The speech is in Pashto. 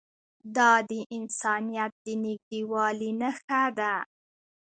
دا د انسانیت د نږدېوالي نښه ده.